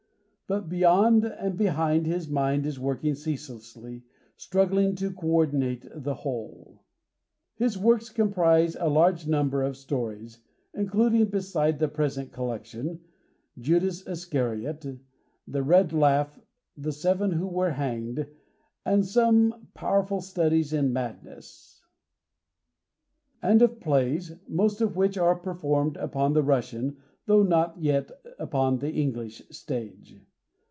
But, beyond and behind, his mind is working ceaselessly, struggling to coordinate the whole. His works comprise a large number of stories, including beside the present collection "Judas Iscariot," "The Red Laugh," "The Seven Who Were Hanged," and some powerful studies in madness; and of plays most of which are performed upon the Russian, though not yet upon the English, stage.